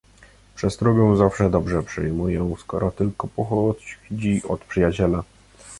"Przestrogę zawsze dobrze przyjmuję, skoro tylko pochodzi od przyjaciela."